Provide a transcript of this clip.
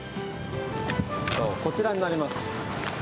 こちらになります。